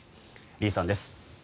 李さんです。